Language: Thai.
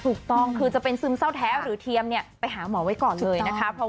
ถูกต้องคือจะเป็นซึมเศร้าแท้หรือเทียมเนี่ยไปหาหมอไว้ก่อนเลยนะคะ